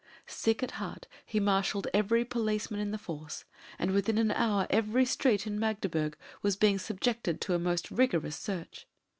Sick at heart, he marshalled every policeman in the force, and within an hour every street in Magdeburg was being subjected to a most rigorous search.